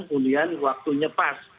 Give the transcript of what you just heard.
kemudian waktunya pas